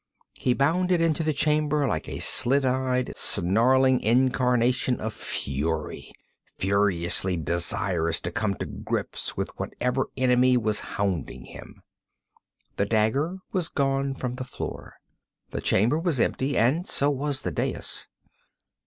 He bounded into the chamber like a slit eyed, snarling incarnation of fury, ferociously desirous to come to grips with whatever enemy was hounding him. The dagger was gone from the floor. The chamber was empty; and so was the dais.